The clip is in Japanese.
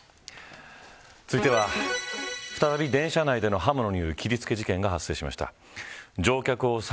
続いては、再び電車内での刃物による切り付け事件が発生しました。